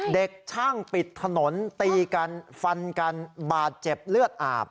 เด็กช่างปิดถนนตีกันฟันกันบาดเจ็บเลือดอาบ